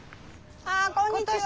あこんにちは。